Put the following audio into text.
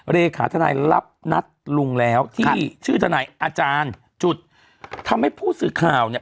เลขาธนายรับนัดลุงแล้วที่ชื่อทนายอาจารย์จุดทำให้ผู้สื่อข่าวเนี่ย